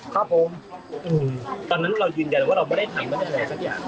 ครับผมตอนนั้นเรายืนยันว่าเราไม่ได้ทำไม่ได้อะไรสักอย่าง